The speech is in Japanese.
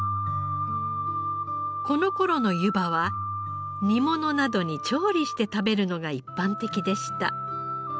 この頃のゆばは煮物などに調理して食べるのが一般的でした。